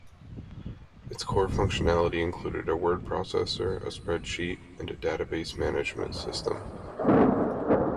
Its core functionality included a word processor, a spreadsheet and a database management system.